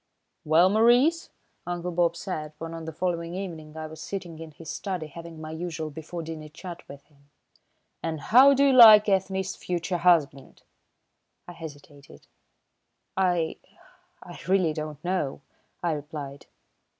"Well, Maurice," Uncle Bob said, when on the following evening I was sitting in his study having my usual before dinner chat with him, "and how do you like Ethne's future husband?" I hesitated. "I I really don't know," I replied.